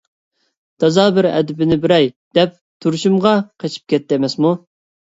تازا بىر ئەدىپىنى بېرەي دەپ تۇرۇشۇمغا قېچىپ كەتتى ئەمەسمۇ؟